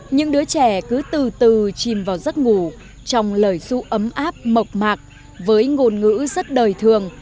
những đứa trẻ cứ từ từ chìm vào giấc ngủ trong lời du ấm áp mộc mạc với ngôn ngữ rất đời thường